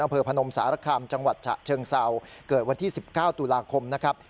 พนมสารคามจังหวัดฉะเชิงเศร้าเกิดวันที่๑๙ตุลาคมนะครับ